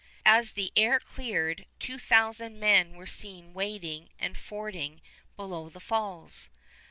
As the air cleared, two thousand men were seen wading and fording below the falls.